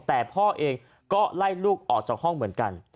แต่พ่อเองก็ไล่ลูกออกจากห้องเหมือนกัน